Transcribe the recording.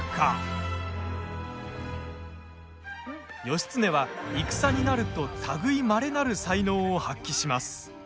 義経は、戦になると類まれなる才能を発揮します。